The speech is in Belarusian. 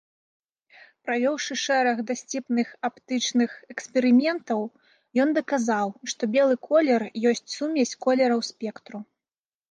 Правёўшы шэраг дасціпных аптычных эксперыментаў, ён даказаў, што белы колер ёсць сумесь колераў спектру.